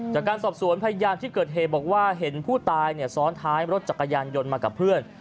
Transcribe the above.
จากการสอบสวนพยานที่เกิดเหตุบอกว่าเห็นผู้ตายซ้อนท้ายรถจักรยานยนต์มากับเพื่อน